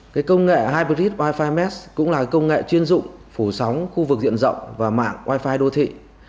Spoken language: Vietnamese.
công nghệ hybrid wi fi mesh cũng là công nghệ chuyên dụng phủ sóng khu vực diện rộng và mạng wi fi đô thị